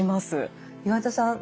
岩田さん